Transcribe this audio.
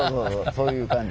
そういう感じです。